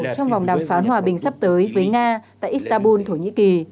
trong vòng đàm phán hòa bình sắp tới với nga tại istanbul thổ nhĩ kỳ